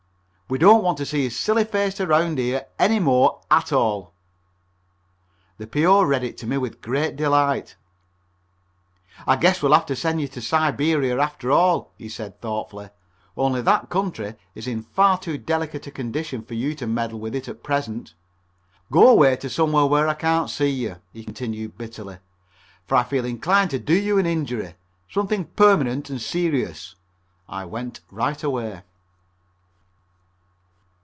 We don't want to see his silly face around here any more at all." The P.O. read it to me with great delight. "I guess we'll have to send you to Siberia after all," he said thoughtfully, "only that country is in far too delicate a condition for you to meddle with at present. Go away to somewhere where I can't see you," he continued bitterly, "for I feel inclined to do you an injury, something permanent and serious." I went right away.